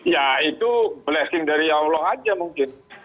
ya itu blessing dari allah aja mungkin